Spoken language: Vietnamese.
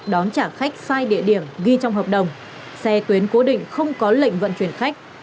đón trả khách sai địa điểm ghi trong hợp đồng xe tuyến cố định không có lệnh vận chuyển khách